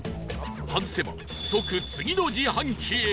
外せば即次の自販機へ